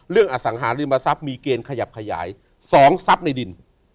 อสังหาริมทรัพย์มีเกณฑ์ขยับขยาย๒ทรัพย์ในดิน